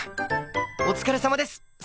お疲れさまです先輩！